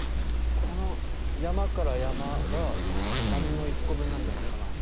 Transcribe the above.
この山から山が波の１個分なんじゃないかな？